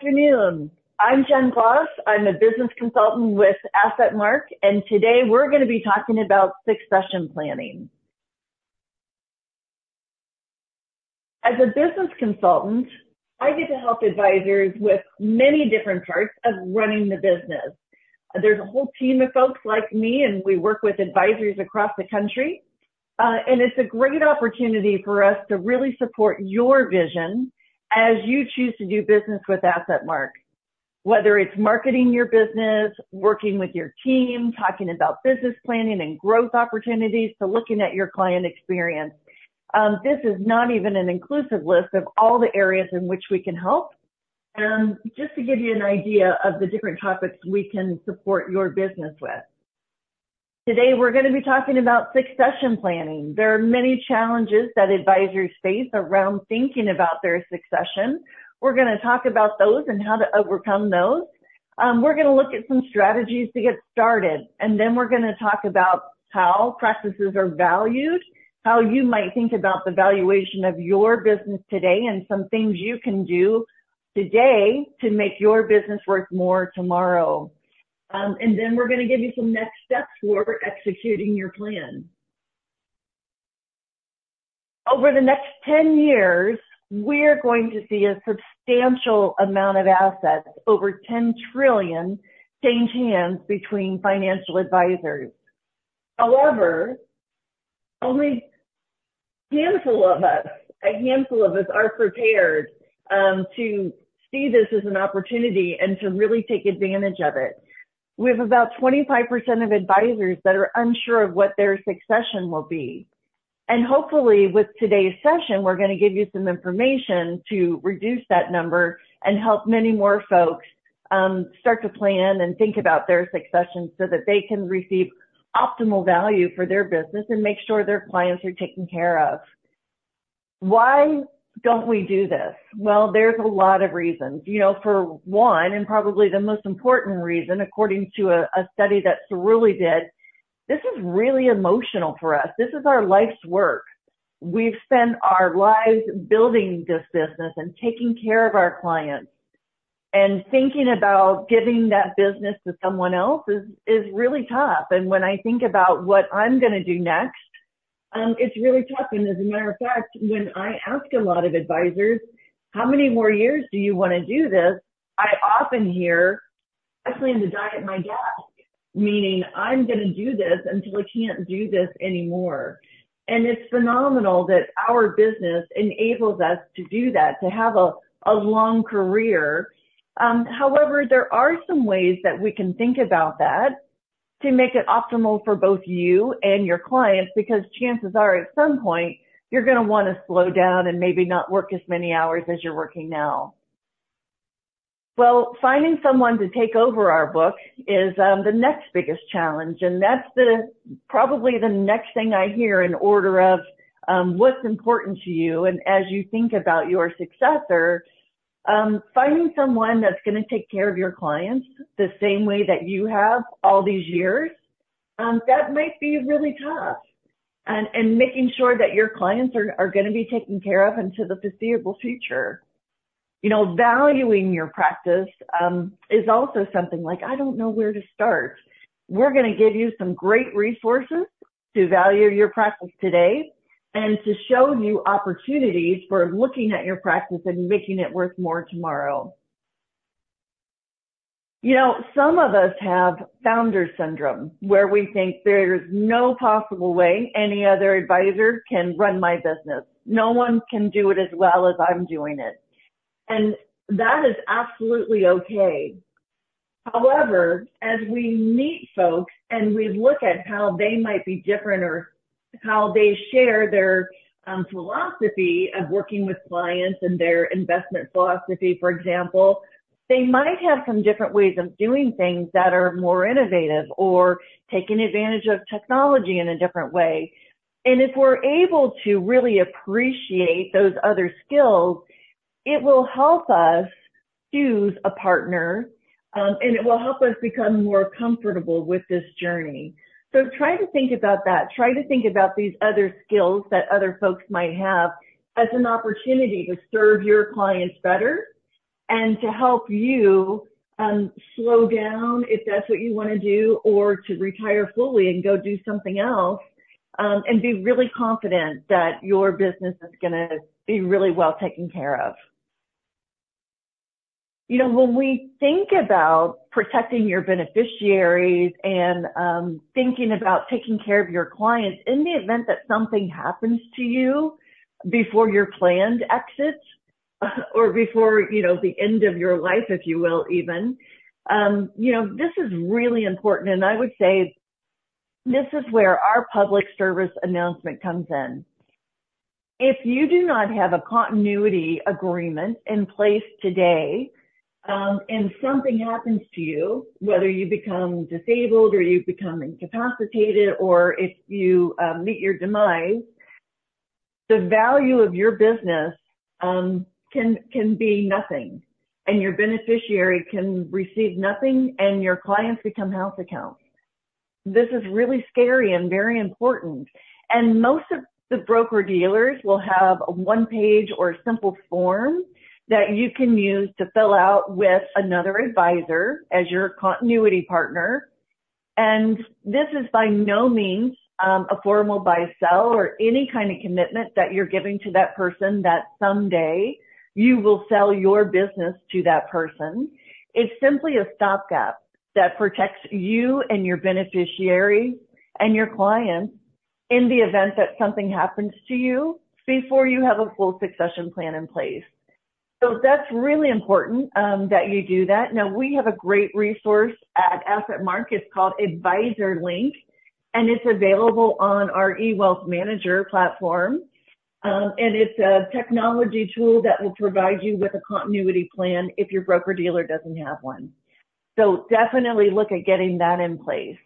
Good afternoon. I'm Jen Gloss. I'm a business consultant with AssetMark, and today we're gonna be talking about succession planning. As a business consultant, I get to help advisors with many different parts of running the business. There's a whole team of folks like me, and we work with advisors across the country. It's a great opportunity for us to really support your vision as you choose to do business with AssetMark. Whether it's marketing your business, working with your team, talking about business planning and growth opportunities, to looking at your client experience. This is not even an inclusive list of all the areas in which we can help. Just to give you an idea of the different topics we can support your business with. Today, we're gonna be talking about succession planning. There are many challenges that advisors face around thinking about their succession. We're gonna talk about those and how to overcome those. We're gonna look at some strategies to get started, and then we're gonna talk about how practices are valued, how you might think about the valuation of your business today, and some things you can do today to make your business worth more tomorrow. And then we're gonna give you some next steps for executing your plan. Over the next 10 years, we're going to see a substantial amount of assets, over $10 trillion, change hands between financial advisors. However, only a handful of us, a handful of us are prepared to see this as an opportunity and to really take advantage of it. We have about 25% of advisors that are unsure of what their succession will be. Hopefully, with today's session, we're gonna give you some information to reduce that number and help many more folks start to plan and think about their succession so that they can receive optimal value for their business and make sure their clients are taken care of. Why don't we do this? Well, there's a lot of reasons. You know, for one, and probably the most important reason, according to a study that Cerulli did, this is really emotional for us. This is our life's work. We've spent our lives building this business and taking care of our clients, and thinking about giving that business to someone else is really tough. When I think about what I'm gonna do next, it's really tough. As a matter of fact, when I ask a lot of advisors, "How many more years do you wanna do this?" I often hear, "I plan to die at my desk," meaning I'm gonna do this until I can't do this anymore. It's phenomenal that our business enables us to do that, to have a long career. However, there are some ways that we can think about that to make it optimal for both you and your clients, because chances are, at some point, you're gonna wanna slow down and maybe not work as many hours as you're working now. Well, finding someone to take over our book is the next biggest challenge, and that's probably the next thing I hear in order of what's important to you. As you think about your successor, finding someone that's gonna take care of your clients the same way that you have all these years, that might be really tough. Making sure that your clients are gonna be taken care of into the foreseeable future. You know, valuing your practice is also something like, "I don't know where to start." We're gonna give you some great resources to value your practice today and to show you opportunities for looking at your practice and making it worth more tomorrow. You know, some of us have founder syndrome, where we think there is no possible way any other advisor can run my business. No one can do it as well as I'm doing it. That is absolutely okay. However, as we meet folks and we look at how they might be different or how they share their philosophy of working with clients and their investment philosophy, for example, they might have some different ways of doing things that are more innovative or taking advantage of technology in a different way. And if we're able to really appreciate those other skills, it will help us choose a partner, and it will help us become more comfortable with this journey. So try to think about that. Try to think about these other skills that other folks might have as an opportunity to serve your clients better and to help you slow down, if that's what you wanna do, or to retire fully and go do something else, and be really confident that your business is gonna be really well taken care of. You know, when we think about protecting your beneficiaries and thinking about taking care of your clients in the event that something happens to you before your planned exit, or before, you know, the end of your life, if you will, even you know, this is really important, and I would say this is where our public service announcement comes in. If you do not have a continuity agreement in place today, and something happens to you, whether you become disabled or you become incapacitated or if you meet your demise, the value of your business can, can be nothing, and your beneficiary can receive nothing, and your clients become house accounts. This is really scary and very important. Most of the broker-dealers will have a 1-page or a simple form that you can use to fill out with another advisor as your continuity partner. This is by no means a formal buy-sell, or any kind of commitment that you're giving to that person, that someday you will sell your business to that person. It's simply a stopgap that protects you and your beneficiary and your clients in the event that something happens to you before you have a full succession plan in place. That's really important that you do that. Now, we have a great resource at AssetMark. It's called Advisor Link, and it's available on our eWealthManager platform. It's a technology tool that will provide you with a continuity plan if your broker-dealer doesn't have one. Definitely look at getting that in place.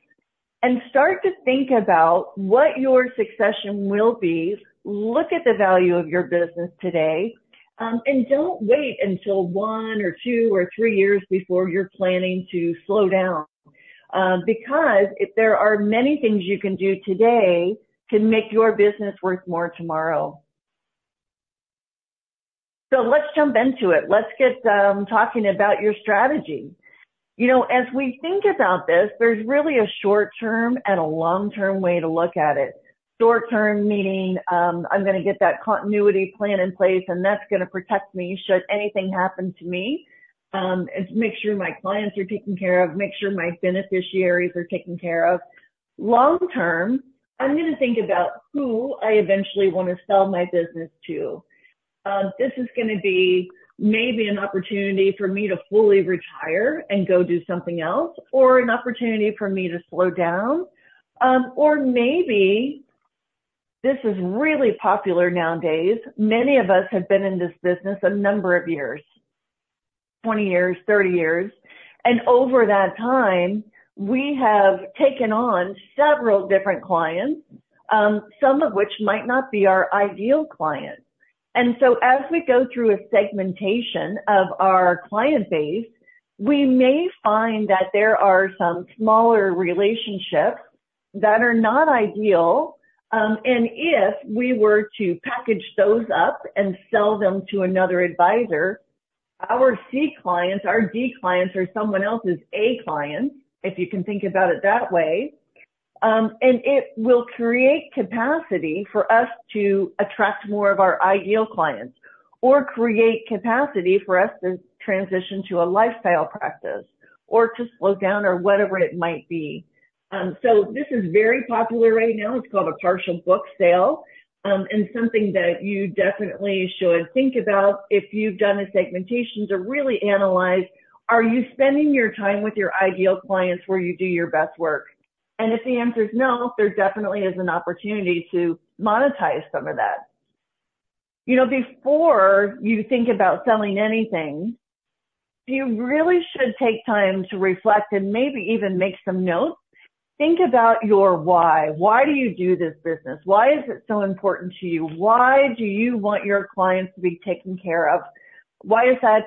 Start to think about what your succession will be, look at the value of your business today, and don't wait until one or two or three years before you're planning to slow down, because there are many things you can do today to make your business worth more tomorrow. So let's jump into it. Let's get talking about your strategy. You know, as we think about this, there's really a short-term and a long-term way to look at it. Short term, meaning, I'm gonna get that continuity plan in place, and that's gonna protect me should anything happen to me. It makes sure my clients are taken care of, make sure my beneficiaries are taken care of. Long term, I'm gonna think about who I eventually want to sell my business to. This is gonna be maybe an opportunity for me to fully retire and go do something else, or an opportunity for me to slow down. Or maybe, this is really popular nowadays, many of us have been in this business a number of years, 20 years, 30 years, and over that time, we have taken on several different clients, some of which might not be our ideal clients. And so as we go through a segmentation of our client base, we may find that there are some smaller relationships that are not ideal, and if we were to package those up and sell them to another advisor, our C clients, our D clients are someone else's A clients, if you can think about it that way. And it will create capacity for us to attract more of our ideal clients, or create capacity for us to transition to a lifestyle practice or to slow down or whatever it might be. This is very popular right now. It's called a partial book sale, and something that you definitely should think about if you've done a segmentation to really analyze, are you spending your time with your ideal clients where you do your best work? And if the answer is no, there definitely is an opportunity to monetize some of that. You know, before you think about selling anything, you really should take time to reflect and maybe even make some notes. Think about your why. Why do you do this business? Why is it so important to you? Why do you want your clients to be taken care of? Why is that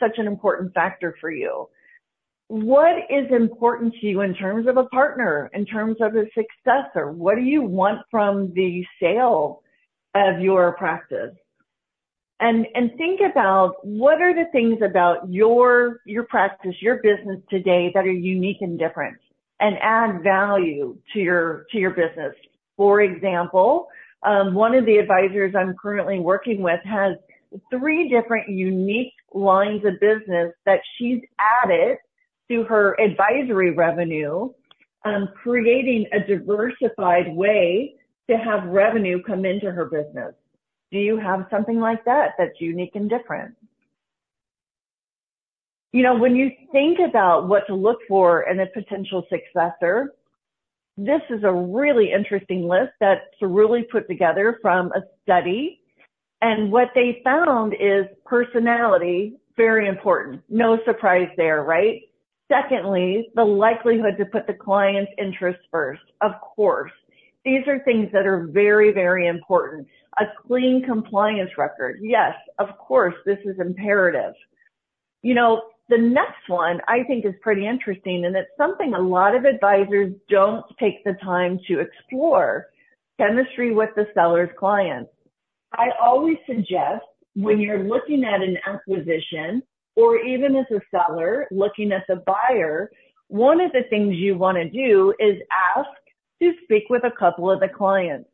such an important factor for you? What is important to you in terms of a partner, in terms of a successor? What do you want from the sale of your practice? Think about what are the things about your practice, your business today that are unique and different and add value to your business. For example, one of the advisors I'm currently working with has three different unique lines of business that she's added to her advisory revenue, creating a diversified way to have revenue come into her business. Do you have something like that, that's unique and different? You know, when you think about what to look for in a potential successor, this is a really interesting list that's really put together from a study. And what they found is personality, very important. No surprise there, right? Secondly, the likelihood to put the client's interests first. Of course, these are things that are very, very important. A clean compliance record. Yes, of course, this is imperative. You know, the next one I think is pretty interesting, and it's something a lot of advisors don't take the time to explore, chemistry with the seller's clients. I always suggest when you're looking at an acquisition or even as a seller looking at a buyer, one of the things you want to do is ask to speak with a couple of the clients.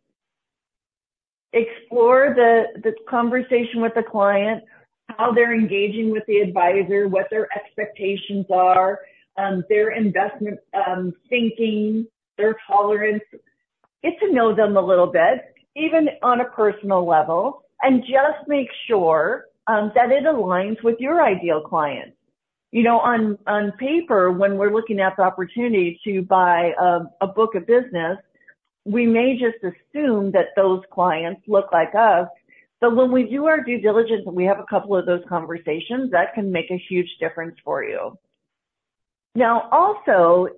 Explore the conversation with the client, how they're engaging with the advisor, what their expectations are, their investment thinking, their tolerance. Get to know them a little bit, even on a personal level, and just make sure that it aligns with your ideal client. You know, on paper, when we're looking at the opportunity to buy a book of business, we may just assume that those clients look like us. So when we do our due diligence and we have a couple of those conversations, that can make a huge difference for you. Now, also,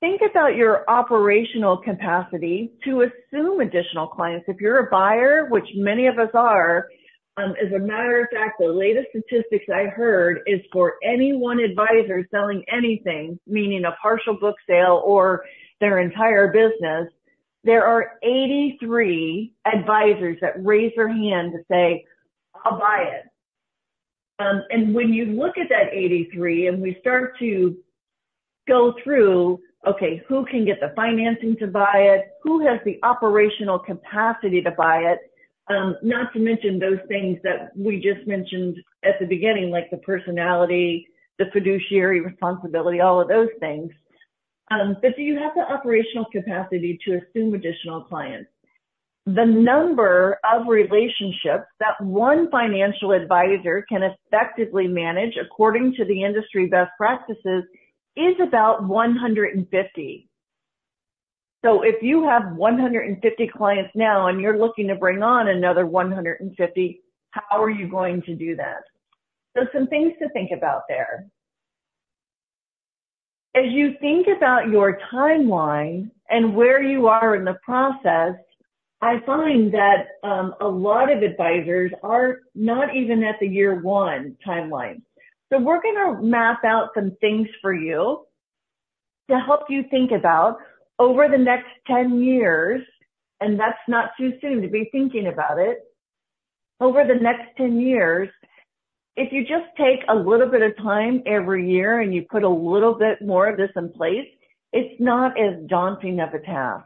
think about your operational capacity to assume additional clients. If you're a buyer, which many of us are. As a matter of fact, the latest statistics I heard is for any one advisor selling anything, meaning a partial book sale or their entire business, there are 83 advisors that raise their hand to say, "I'll buy it." And when you look at that 83 and we start to go through, okay, who can get the financing to buy it? Who has the operational capacity to buy it? Not to mention those things that we just mentioned at the beginning, like the personality, the fiduciary responsibility, all of those things. But do you have the operational capacity to assume additional clients? The number of relationships that one financial advisor can effectively manage, according to the industry best practices, is about 150. So if you have 150 clients now and you're looking to bring on another 150, how are you going to do that? So some things to think about there. As you think about your timeline and where you are in the process, I find that a lot of advisors are not even at the year one timeline. So we're gonna map out some things for you to help you think about over the next 10 years, and that's not too soon to be thinking about it. Over the next 10 years, if you just take a little bit of time every year and you put a little bit more of this in place, it's not as daunting of a task.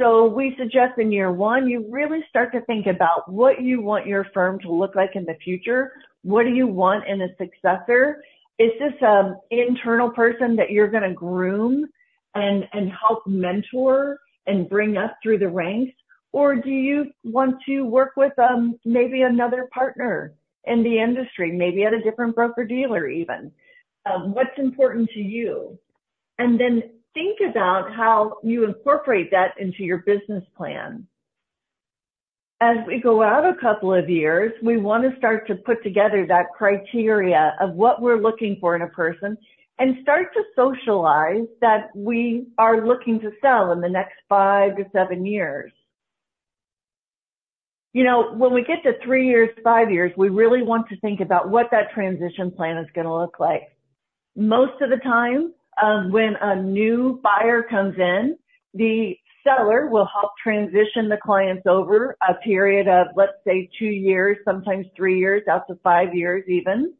So we suggest in year one, you really start to think about what you want your firm to look like in the future. What do you want in a successor? Is this an internal person that you're gonna groom and help mentor and bring up through the ranks? Or do you want to work with, maybe another partner in the industry, maybe at a different broker-dealer, even? What's important to you? And then think about how you incorporate that into your business plan. As we go out a couple of years, we want to start to put together that criteria of what we're looking for in a person and start to socialize that we are looking to sell in the next five-seven years. You know, when we get to three years, five years, we really want to think about what that transition plan is gonna look like. Most of the time, when a new buyer comes in, the seller will help transition the clients over a period of, let's say, two years, sometimes three years, out to five years, even.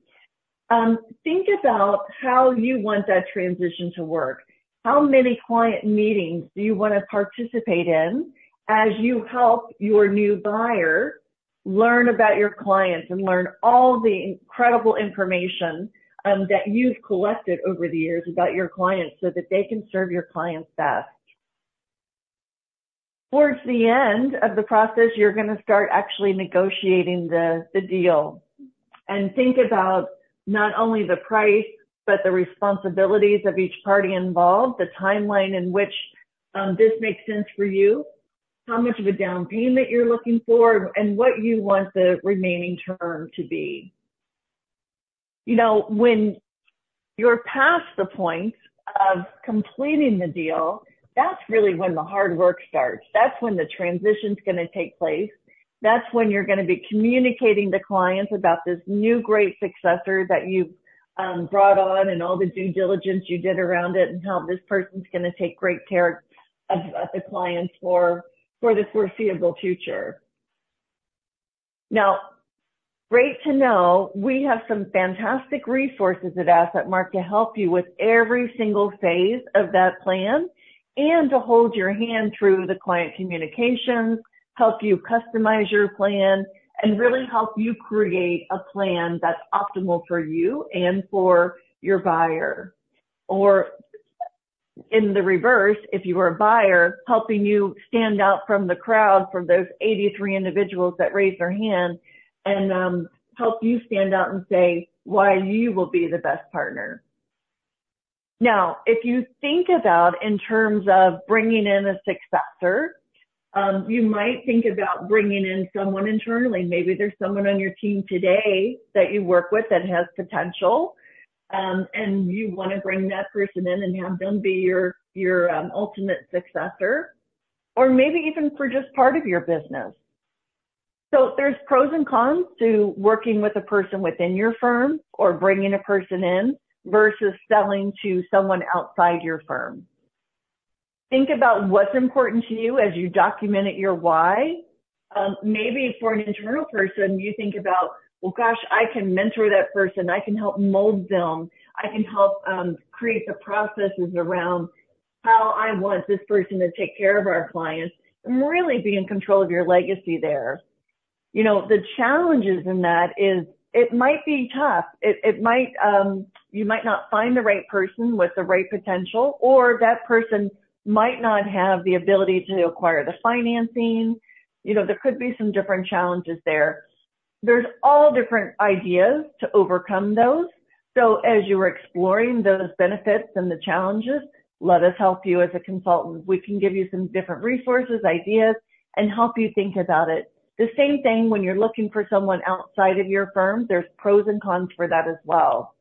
Think about how you want that transition to work. How many client meetings do you want to participate in as you help your new buyer learn about your clients and learn all the incredible information that you've collected over the years about your clients so that they can serve your clients best? Towards the end of the process, you're gonna start actually negotiating the deal. Think about not only the price, but the responsibilities of each party involved, the timeline in which this makes sense for you, how much of a down payment you're looking for, and what you want the remaining term to be. You know, when you're past the point of completing the deal, that's really when the hard work starts. That's when the transition's gonna take place. That's when you're gonna be communicating to clients about this new great successor that you've brought on and all the due diligence you did around it, and how this person's gonna take great care of the clients for the foreseeable future. Now, great to know, we have some fantastic resources at AssetMark to help you with every single phase of that plan and to hold your hand through the client communications, help you customize your plan, and really help you create a plan that's optimal for you and for your buyer. Or in the reverse, if you are a buyer, helping you stand out from the crowd, from those 83 individuals that raised their hand and help you stand out and say why you will be the best partner. Now, if you think about in terms of bringing in a successor, you might think about bringing in someone internally. Maybe there's someone on your team today that you work with that has potential, and you want to bring that person in and have them be your, your ultimate successor, or maybe even for just part of your business. So there's pros and cons to working with a person within your firm or bringing a person in versus selling to someone outside your firm. Think about what's important to you as you document your why. Maybe for an internal person, you think about, well, gosh, I can mentor that person. I can help mold them. I can help create the processes around how I want this person to take care of our clients and really be in control of your legacy there. You know, the challenges in that is it might be tough. It might, you might not find the right person with the right potential, or that person might not have the ability to acquire the financing. You know, there could be some different challenges there. There's all different ideas to overcome those. So as you are exploring those benefits and the challenges, let us help you as a consultant. We can give you some different resources, ideas, and help you think about it. The same thing when you're looking for someone outside of your firm, there's pros and cons for that as well.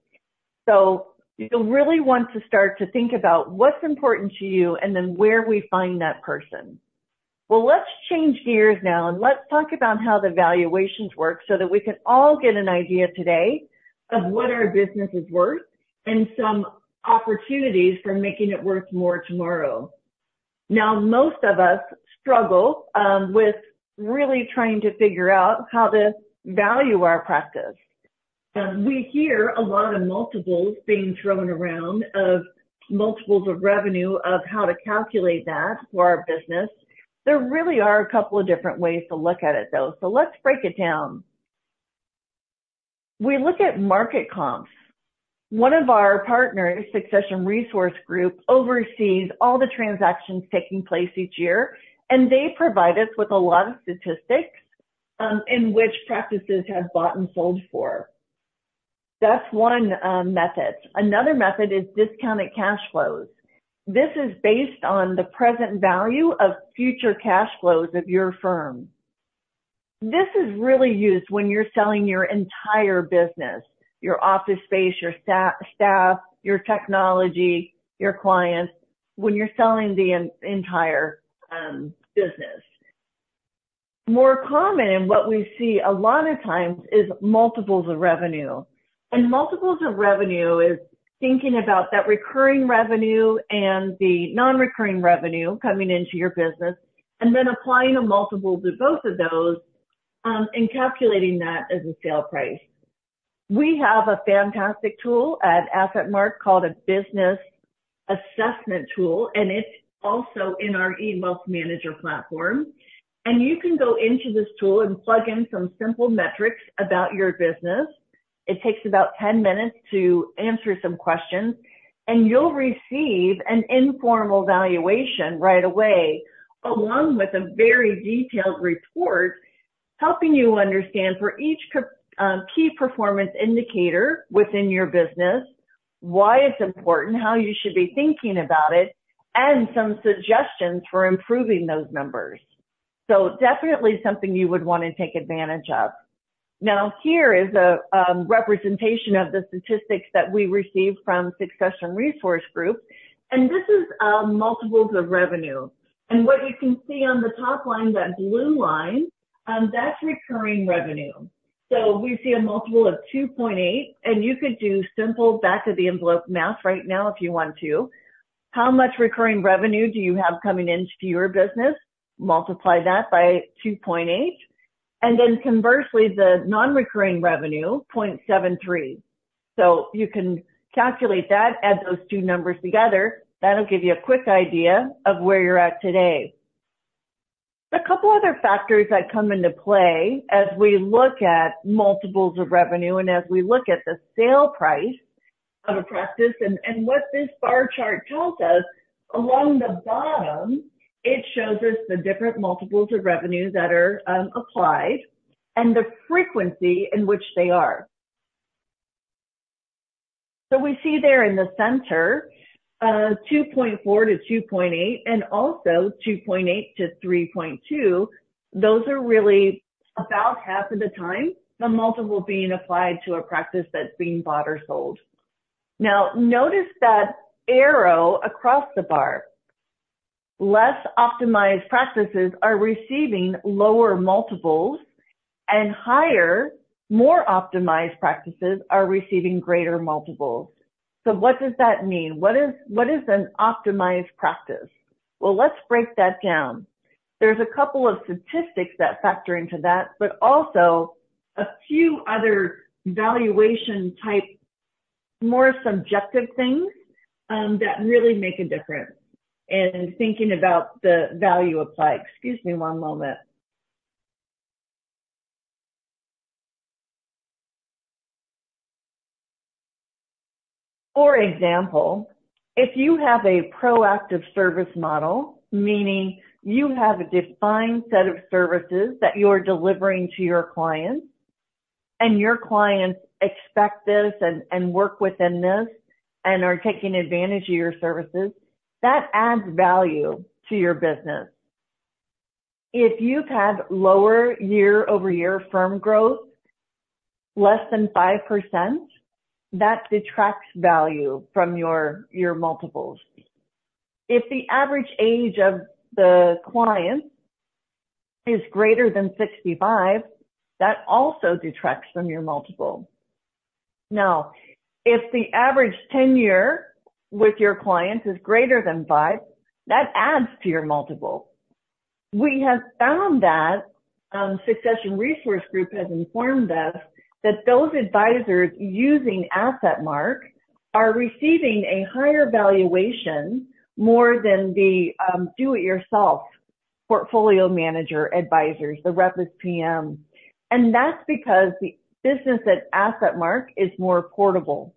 So you'll really want to start to think about what's important to you and then where we find that person. Well, let's change gears now, and let's talk about how the valuations work so that we can all get an idea today of what our business is worth and some opportunities for making it worth more tomorrow. Now, most of us struggle with really trying to figure out how to value our practice. We hear a lot of multiples being thrown around, of multiples of revenue, of how to calculate that for our business. There really are a couple of different ways to look at it, though, so let's break it down. We look at market comps. One of our partners, Succession Resource Group, oversees all the transactions taking place each year, and they provide us with a lot of statistics in which practices have bought and sold for. That's one method. Another method is discounted cash flows. This is based on the present value of future cash flows of your firm. This is really used when you're selling your entire business, your office space, your staff, your technology, your clients, when you're selling the entire business. More common in what we see a lot of times is multiples of revenue. Multiples of revenue is thinking about that recurring revenue and the non-recurring revenue coming into your business, and then applying a multiple to both of those, and calculating that as a sale price. We have a fantastic tool at AssetMark called a Business Assessment Tool, and it's also in our eWealthManager platform. You can go into this tool and plug in some simple metrics about your business. It takes about 10 minutes to answer some questions, and you'll receive an informal valuation right away, along with a very detailed report, helping you understand for each key performance indicator within your business, why it's important, how you should be thinking about it, and some suggestions for improving those numbers. So definitely something you would want to take advantage of. Now, here is a representation of the statistics that we received from Succession Resource Group, and this is multiples of revenue. What you can see on the top line, that blue line, that's recurring revenue. So we see a multiple of 2.8, and you could do simple back of the envelope math right now if you want to. How much recurring revenue do you have coming into your business? Multiply that by 2.8, and then conversely, the non-recurring revenue, 0.73. So you can calculate that, add those two numbers together. That'll give you a quick idea of where you're at today. A couple other factors that come into play as we look at multiples of revenue and as we look at the sale price of a practice, and, and what this bar chart tells us, along the bottom, it shows us the different multiples of revenues that are applied and the frequency in which they are. So we see there in the center, 2.4x-2.8x and also 2.8x-3.2x. Those are really about half of the time, the multiple being applied to a practice that's being bought or sold. Now, notice that arrow across the bar. Less optimized practices are receiving lower multiples, and higher, more optimized practices are receiving greater multiples. So what does that mean? What is, what is an optimized practice? Well, let's break that down. There's a couple of statistics that factor into that, but also a few other valuation type, more subjective things, that really make a difference in thinking about the value applied. Excuse me one moment. For example, if you have a proactive service model, meaning you have a defined set of services that you're delivering to your clients, and your clients expect this and, and work within this, and are taking advantage of your services, that adds value to your business. If you've had lower year-over-year firm growth, less than 5%, that detracts value from your, your multiples. If the average age of the clients is greater than 65, that also detracts from your multiple. Now, if the average tenure with your clients is greater than five, that adds to your multiple. We have found that Succession Resource Group has informed us that those advisors using AssetMark are receiving a higher valuation more than the do-it-yourself portfolio manager advisors, the Rep-as-PM. And that's because the business at AssetMark is more portable.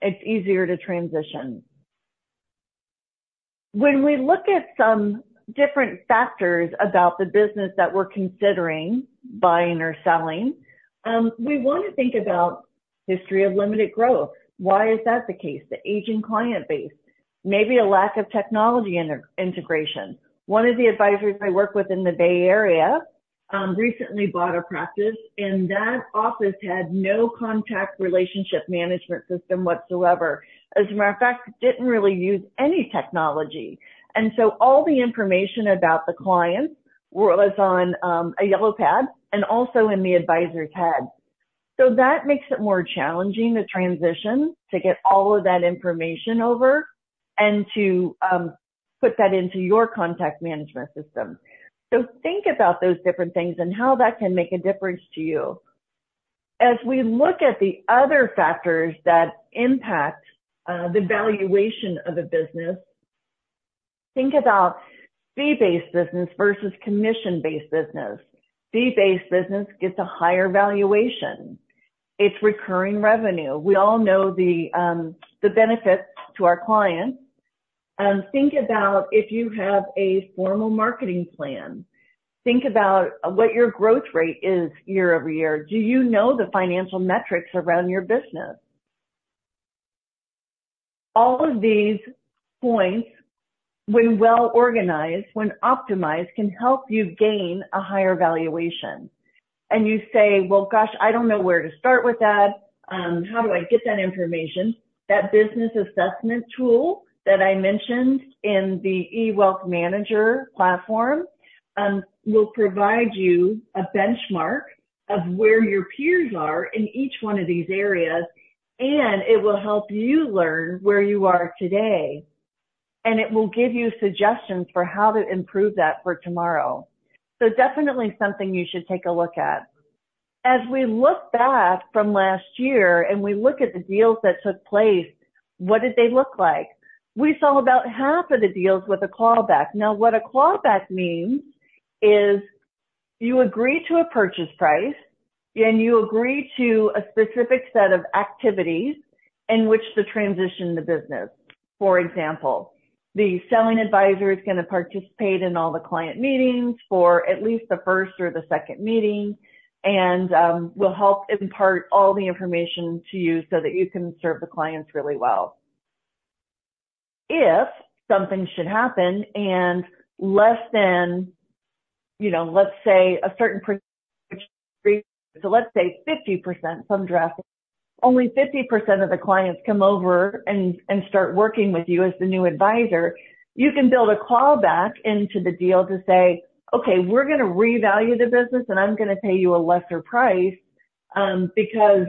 It's easier to transition. When we look at some different factors about the business that we're considering buying or selling, we want to think about history of limited growth. Why is that the case? The aging client base, maybe a lack of technology integration. One of the advisors I work with in the Bay Area recently bought a practice, and that office had no contact relationship management system whatsoever. As a matter of fact, didn't really use any technology, and so all the information about the clients was on a yellow pad and also in the advisor's head. So that makes it more challenging to transition, to get all of that information over and to put that into your contact management system. So think about those different things and how that can make a difference to you. As we look at the other factors that impact the valuation of a business, think about fee-based business versus commission-based business. Fee-based business gets a higher valuation. It's recurring revenue. We all know the benefits to our clients. Think about if you have a formal marketing plan. Think about what your growth rate is year-over-year. Do you know the financial metrics around your business? All of these points, when well organized, when optimized, can help you gain a higher valuation. You say, "Well, gosh, I don't know where to start with that. How do I get that information?" That Business Assessment Tool that I mentioned in the eWealthManager platform, will provide you a benchmark of where your peers are in each one of these areas, and it will help you learn where you are today, and it will give you suggestions for how to improve that for tomorrow. Definitely something you should take a look at. As we look back from last year and we look at the deals that took place, what did they look like? We saw about half of the deals with a clawback. Now, what a clawback means is you agree to a purchase price, and you agree to a specific set of activities in which to transition the business. For example, the selling advisor is going to participate in all the client meetings for at least the first or the second meeting and will help impart all the information to you so that you can serve the clients really well. If something should happen and less than, you know, let's say, a certain so let's say 50%, some drastic. Only 50% of the clients come over and start working with you as the new advisor, you can build a clawback into the deal to say, "Okay, we're gonna revalue the business, and I'm gonna pay you a lesser price, because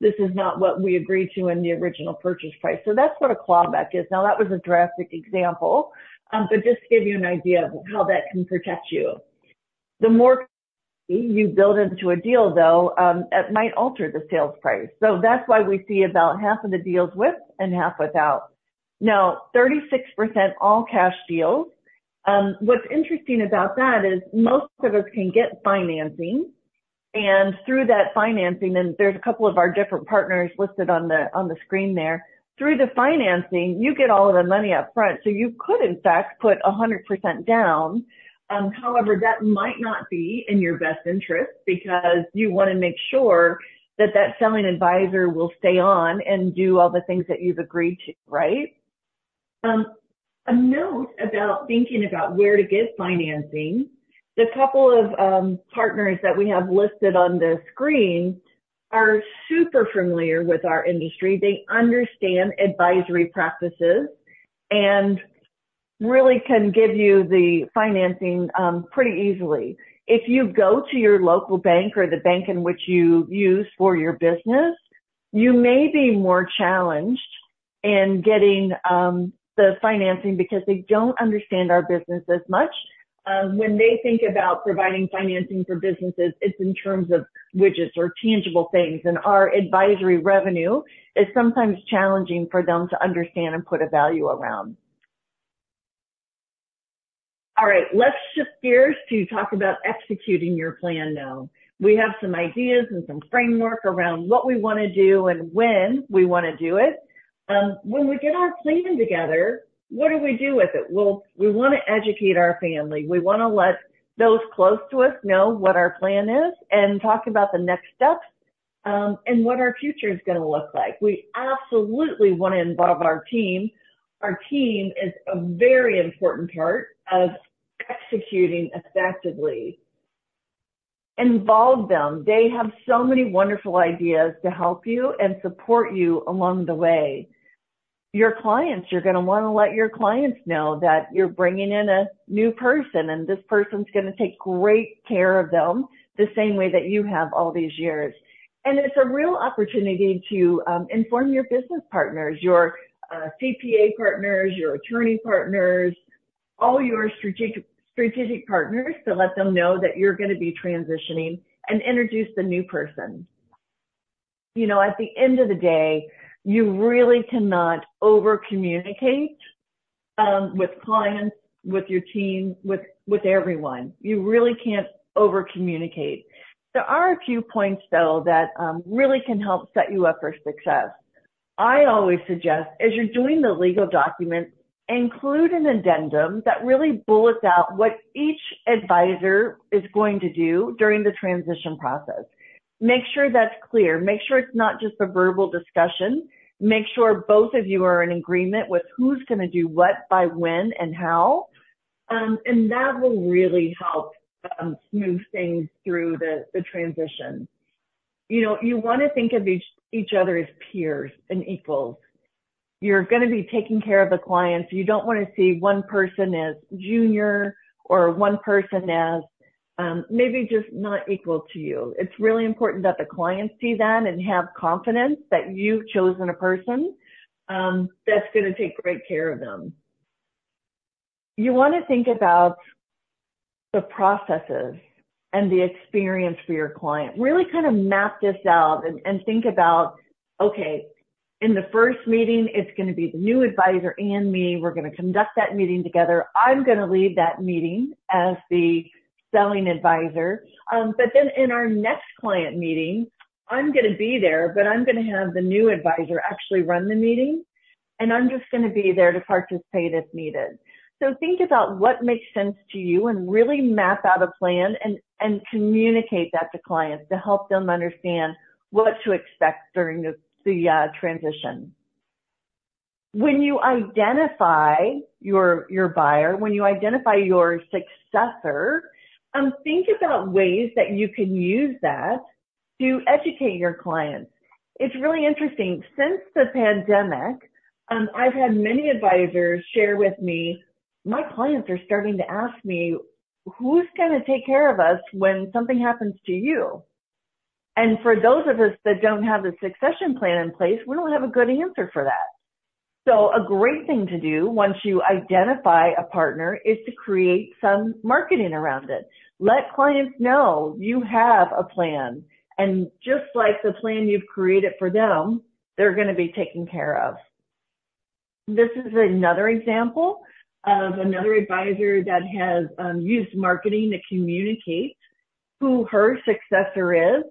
this is not what we agreed to in the original purchase price." So that's what a clawback is. Now, that was a drastic example, but just to give you an idea of how that can protect you. The more you build into a deal, though, it might alter the sales price. So that's why we see about half of the deals with and half without. Now, 36% all-cash deals. What's interesting about that is most of us can get financing, and through that financing, there's a couple of our different partners listed on the screen there. Through the financing, you get all of the money up front, so you could, in fact, put 100% down. However, that might not be in your best interest because you wanna make sure that that selling advisor will stay on and do all the things that you've agreed to, right? A note about thinking about where to get financing. The couple of partners that we have listed on the screen are super familiar with our industry. They understand advisory practices and really can give you the financing pretty easily. If you go to your local bank or the bank in which you use for your business, you may be more challenged in getting the financing because they don't understand our business as much. When they think about providing financing for businesses, it's in terms of widgets or tangible things, and our advisory revenue is sometimes challenging for them to understand and put a value around. All right, let's shift gears to talk about executing your plan now. We have some ideas and some framework around what we wanna do and when we wanna do it. When we get our plan together, what do we do with it? Well, we wanna educate our family. We wanna let those close to us know what our plan is and talk about the next steps, and what our future is gonna look like. We absolutely wanna involve our team. Our team is a very important part of executing effectively. Involve them. They have so many wonderful ideas to help you and support you along the way. Your clients, you're gonna wanna let your clients know that you're bringing in a new person, and this person's gonna take great care of them, the same way that you have all these years. It's a real opportunity to inform your business partners, your CPA partners, your attorney partners, all your strategic, strategic partners, to let them know that you're gonna be transitioning and introduce the new person. You know, at the end of the day, you really cannot overcommunicate with clients, with your team, with everyone. You really can't overcommunicate. There are a few points, though, that really can help set you up for success. I always suggest, as you're doing the legal documents, include an addendum that really bullets out what each advisor is going to do during the transition process. Make sure that's clear. Make sure it's not just a verbal discussion. Make sure both of you are in agreement with who's gonna do what by when and how. And that will really help smooth things through the transition. You know, you wanna think of each other as peers and equals. You're gonna be taking care of the clients. You don't wanna see one person as junior or one person as maybe just not equal to you. It's really important that the clients see that and have confidence that you've chosen a person that's gonna take great care of them. You wanna think about the processes and the experience for your client. Really kind of map this out and think about, okay, in the first meeting, it's gonna be the new advisor and me. We're gonna conduct that meeting together. I'm gonna lead that meeting as the selling advisor. But then in our next client meeting, I'm gonna be there, but I'm gonna have the new advisor actually run the meeting, and I'm just gonna be there to participate if needed. So think about what makes sense to you and really map out a plan and communicate that to clients to help them understand what to expect during the transition. When you identify your buyer, when you identify your successor, think about ways that you can use that to educate your clients. It's really interesting. Since the pandemic, I've had many advisors share with me, "My clients are starting to ask me, 'Who's gonna take care of us when something happens to you?'" For those of us that don't have a succession plan in place, we don't have a good answer for that. A great thing to do once you identify a partner is to create some marketing around it. Let clients know you have a plan, and just like the plan you've created for them, they're gonna be taken care of. This is another example of another advisor that has used marketing to communicate who her successor is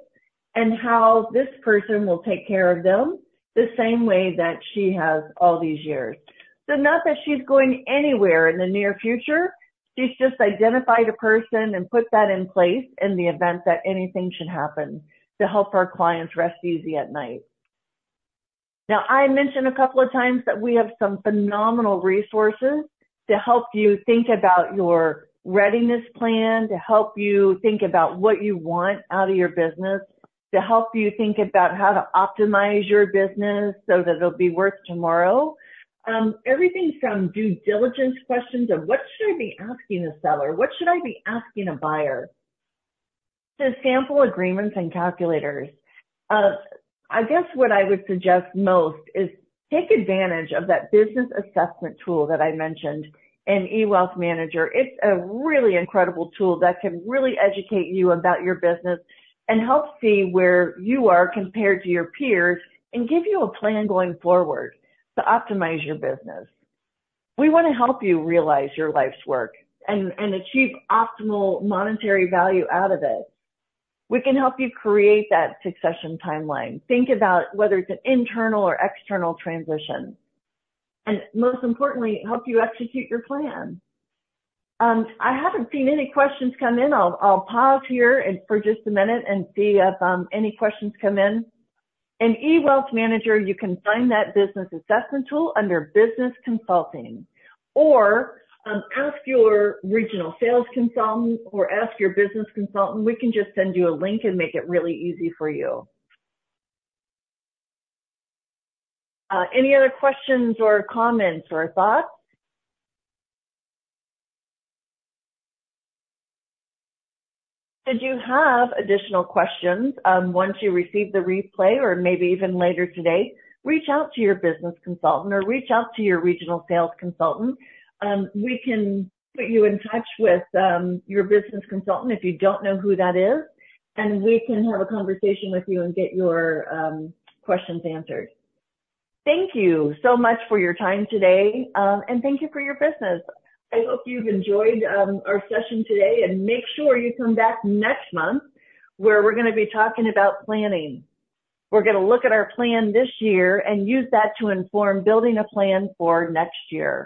and how this person will take care of them the same way that she has all these years. So not that she's going anywhere in the near future, she's just identified a person and put that in place in the event that anything should happen, to help her clients rest easy at night. Now, I mentioned a couple of times that we have some phenomenal resources to help you think about your readiness plan, to help you think about what you want out of your business, to help you think about how to optimize your business so that it'll be worth tomorrow. Everything from due diligence questions of what should I be asking a seller? What should I be asking a buyer? To sample agreements and calculators. I guess what I would suggest most is take advantage of that Business Assessment Tool that I mentioned in eWealthManager. It's a really incredible tool that can really educate you about your business and help see where you are compared to your peers, and give you a plan going forward to optimize your business. We wanna help you realize your life's work and, and achieve optimal monetary value out of it. We can help you create that succession timeline. Think about whether it's an internal or external transition, and most importantly, help you execute your plan. I haven't seen any questions come in. I'll, I'll pause here and for just a minute and see if any questions come in. In eWealthManager, you can find that Business Assessment Tool under Business Consulting, or ask your regional sales consultant or ask your business consultant. We can just send you a link and make it really easy for you. Any other questions or comments or thoughts? If you have additional questions, once you receive the replay or maybe even later today, reach out to your business consultant or reach out to your regional sales consultant. We can put you in touch with your business consultant if you don't know who that is, and we can have a conversation with you and get your questions answered. Thank you so much for your time today, and thank you for your business. I hope you've enjoyed our session today, and make sure you come back next month, where we're gonna be talking about planning. We're gonna look at our plan this year and use that to inform building a plan for next year.